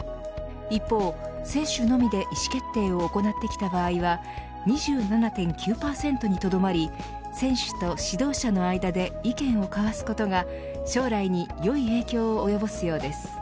一方、選手のみで意思決定を行ってきた場合は２７．９％にとどまり選手と指導者の間で意見を交わすことが将来によい影響を及ぼすようです。